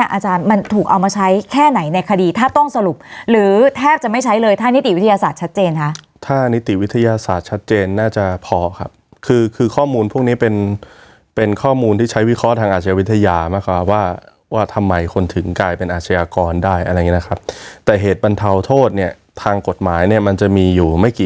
อาจารย์มันถูกเอามาใช้แค่ไหนในคดีถ้าต้องสรุปหรือแทบจะไม่ใช้เลยถ้านิติวิทยาศาสตร์ชัดเจนคะถ้านิติวิทยาศาสตร์ชัดเจนน่าจะพอครับคือคือข้อมูลพวกนี้เป็นเป็นข้อมูลที่ใช้วิเคราะห์ทางอาชวิทยานะคะว่าว่าทำไมคนถึงกลายเป็นอาชญากรได้อะไรอย่างงี้นะครับแต่เหตุบรรเทาโทษเนี่ยทางกฎหมายเนี่ยมันจะมีอยู่ไม่กี่